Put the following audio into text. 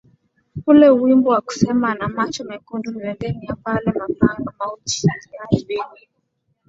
ule wimbo wa kusema ana macho mekundu mleteni hapa ale mapangaMauji ya albino